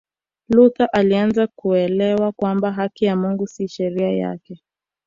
Luther alianza kuelewa kwamba haki ya Mungu si sheria yake